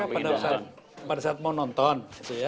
pada saat mau nonton